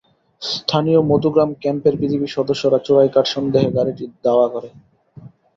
স্থানীয় মধুগ্রাম ক্যাম্পের বিজিবির সদস্যরা চোরাই কাঠ সন্দেহে গাড়িটি ধাওয়া করে।